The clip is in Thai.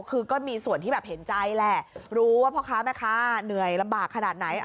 คือก็มีส่วนที่แบบเห็นใจแหละรู้ว่าพ่อค้าแม่ค้าเหนื่อยลำบากขนาดไหน